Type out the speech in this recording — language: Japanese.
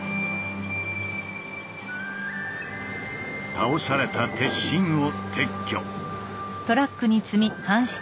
倒された鉄心を撤去。